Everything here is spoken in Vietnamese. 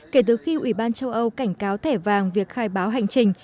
kể từ khi ủy ban châu âu cảnh cáo thẻ vàng việc khai báo hành trình